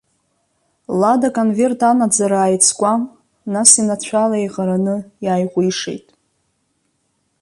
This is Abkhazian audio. Лад аконверт анаӡара ааиҵкәан, нас инацәала еиҟараны иааиҟәишеит.